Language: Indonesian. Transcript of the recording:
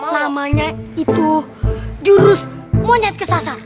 namanya itu jurus monyet kesasar